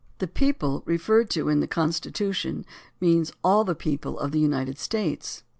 The "people" referred to in the Constitution means all the people of the United States.